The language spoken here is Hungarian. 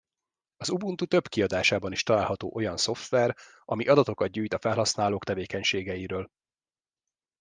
Az Ubuntu több kiadásában is található olyan szoftver, ami adatokat gyűjt a felhasználók tevékenységeiről.